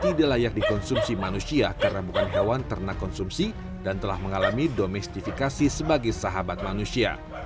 tidak layak dikonsumsi manusia karena bukan hewan ternak konsumsi dan telah mengalami domestifikasi sebagai sahabat manusia